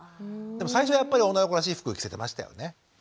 でも最初やっぱり女の子らしい服を着せてましたよね。